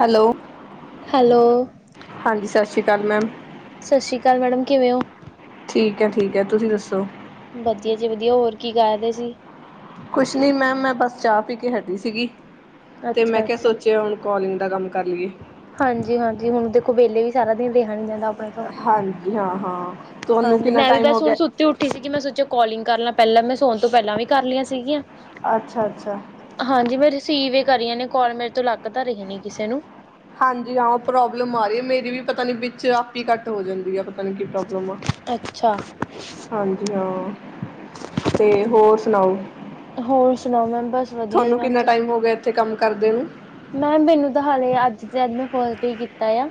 Hello, hello ਹਾਂਜੀ ਸਤਿ ਸ੍ਰੀ ਸਤਿ ਸ਼੍ਰੀ ਅਕਾਲ ਮੈਮ। ਸਤਿ ਸ਼੍ਰੀ ਅਕਾਲ ਮੈਡਮ ਕਿਵੇਂ ਹੋ? ਠੀਕ ਹੈ ਠੀਕ ਹੈ ਤੁਸੀਂ ਦੱਸੋ। ਵਧੀਆ ਜੀ, ਵਧੀਆ ਹੋਰ ਕੀ ਕਰਦੇ ਸੀ? ਕੁਛ ਨੀ ਮੈਮ ਮੈਂ ਬਸ ਚਾਹ ਪੀ ਕੇ ਹਟੀ ਸੀਗੀ। ਤੇ ਮੈਂ ਅੱਛਾ ਕੇਹਾ ਅੱਛਾ ਸੋਚਿਆ ਹੁਣ। ਕੋਲਿੰਗ ਦਾ ਕੰਮ ਕਰ ਲਈਏ। ਹਾਂਜੀ ਹਾਂਜੀ ਹੁਣ ਦੇਖੋ ਵੇਲੇ ਵੀ ਸਾਰਾ। ਣ ਜਾਂ। [unintelligible] ਹਾਂਜੀ ਹਾਂ ਹਾਂ। ਤੁਹਾਨੂੰ ਹਾਂਜੀ ਕਿੰਨਾ ਮੈਂ ਵੀ ਟਾਈਮ ਹੋ ਬਸ ਹੁਣ ਗਿਆ ਸੁੱਤੀ ਉੱਠੀ ਸੀਗੀ ਮੈਂ ਸੋਚਿਆ ਕੋਲਿੰਗ। ਕਰਨਾ ਪਹਿਲਾਂ ਮੈਂ ਸੌਣ ਤੋਂ ਪਹਿਲਾਂ ਵੀ ਕਰ ਲਈਆਂ ਸੀਗੀਆਂ। ਅੱਛਾ ਅੱਛਾ। ਸੀ, ਵੇ ਕਰੀਆਂ ਨੇ ਕੌਲ ਮੇਰੇ ਤੋਂ ਲੱਗ ਤਾਂ ਰਹੀ ਨੀ ਕਿਸੇ ਨੂੰ। ਹਾਂਜੀ ਹਾਂ ਪ੍ਰੋਬਲਮ ਆ ਰਹੀ ਹੈ, ਮੇਰੀ ਵੀ ਪਤਾ ਨੀ ਵਿੱਚ ਆਪ ਹੀ ਘੱਟ ਹੋ ਜਾਂਦੀ ਆ ਪਤਾ ਨੀ ਕੀ ਪ੍ਰੋਬਲਮ। ਅੱਛਾ ਹਾਂਜੀ ਹਾਂ। ਤੇ ਹੋਰ ਸੁਣਾਓ ਹੋਰ ਸੁਣਾਓ ਮੈਮ ਬਸ ਵਧੀਆ ਤੁਹਾਨੂੰ ਮੈਮ ਕਿੰਨਾ ਤੁਸੀਂ? ਟਾਈਮ ਹੋ ਗਿਆ ਇੱਥੇ ਕੰਮ? ਕਰਦੇ ਨੇ ਮੈਮ ਮੈਨੂੰ ਤਾਂ ਹਾਲੇ ਅੱਜ ਤੇ, ਅੱਜ ''ਮੈਂ ਫੋਨ ਤੇ ਹੀ ਕੀਤਾ ਆ।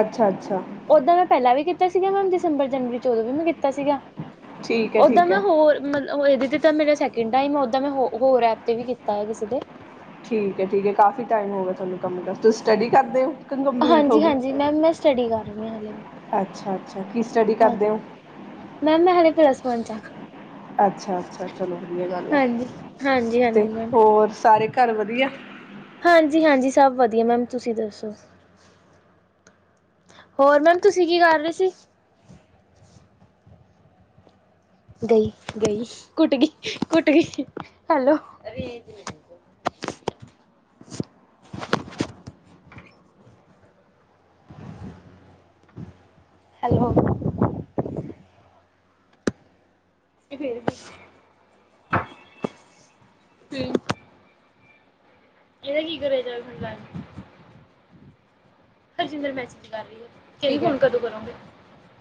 ਅੱਛਾ- ਅੱਛਾ। ੳਦੋੰ ''ਮੈਂ ਪਹਿਲਾਂ ਵੀ ਕੀਤਾ ਸੀਗਾ ਮੈਮ, ਦਸੰਬਰ ਜਨਵਰੀ'ਚ ਓਦੋਂ ਵੀ ਮੈਂ ਕੀਤਾ ਸੀਗਾ। ਠੀਕ ਹੈ ਓਦਾਂ ਠੀਕ ਮੈਂ, ਹੈ ਹੋਰ ਮਤ ਇਹਦੇ ਤੇ, ਤਾਂ ਮੇਰਾ ਸੈਕਿੰਡ ਟਾਇਮ ਆ ਓਦਾ ''ਮੈਂ ਹੋਰ ਐਪ ਤੇ, ਵੀ ਕੀਤਾ ਹੈ ਕਿਸੇ ਦੇ। ਠੀਕ ਹੈ। ਠੀਕ ਹੈ। ਕਾਫੀ ਟਾਈਮ ਹੋ ਗਿਆ, ਤੁਹਾਨੂੰ ਕੰਮ ਕਰਦੇ, ਤੁਸੀਂ ਸਟੱਡੀ ਕਰਦੇ ਹੋ? ਕੰਪਲੀਟ ਹਾਂਜੀ-ਹਾਂਜੀ, ਮੈਮ ਮੈਂ ਸਟੱਡੀ ਕਰ [inaudible] ਅੱਛਾ-ਅੱਛਾ, ਕੀ ਸਟੱਡੀ ਕਰਦੇ ਹੋ? ਪੱਲਸ ਬਨ ਚ ਹਾਂ ਅੱਛਾ-ਅੱਛਾ, ਚਲੋ ਵਧੀਆ ਗੱਲ ਹੈ ਹਾਂਜੀ ਹਾਂਜੀ ਤੇ ਹਾਂਜੀ ਹੋਰ ਸਾਰੇ ਘਰ ਵਧੀਆ? ਹਾਂਜੀ-ਹਾਂਜੀ, ਸਭ ਵਧੀਆ ਮੈਮ ਤੁਸੀਂ ਦੱਸੋ ਹੋਰ ਮੈਮ ਤੁਸੀਂ ਕੀ ਕਰ ਰਹੇ ਸੀ ਗਈ, ਗਈ ਕੁੱਟ ਗਈ ਕੁੱਟ ਗਈ ਹੈਲੋ ਹੈਲੋ ਫਿਰ ਵੀ ਫੇਰ ਇਹਦਾ ਕੀ ਕਰਿਆ ਜਾਵੇ ਹੁਣ ਦੱਸ। ਹਰਜਿੰਦਰ ਮੈਸਿਜ ਕਰ ਰਹੀ ਆ ਕਹਿੰਦੀ ਹੁਣ ਕਦੋਂ ਕਰੋਂਗੇ?